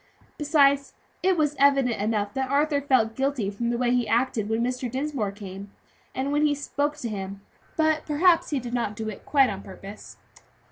Besides it was evident enough that Arthur felt guilty from the way he acted when Mr. Dinsmore came, and when he spoke to him. But perhaps he did not do it quite on purpose."